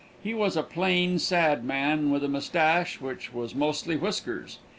He was a plain, sad man, with a mustache which was mostly whiskers.